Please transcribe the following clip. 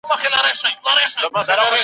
اوبه د ماشوم لخوا څښل کېږي.